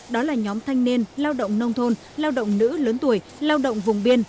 đó là nhóm thanh niên lao động nông thôn lao động nữ lớn tuổi lao động vùng biên